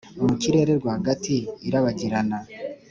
mu kirere rwagati irabagirana,